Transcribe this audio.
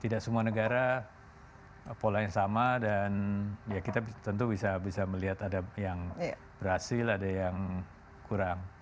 tidak semua negara polanya sama dan ya kita tentu bisa melihat ada yang berhasil ada yang kurang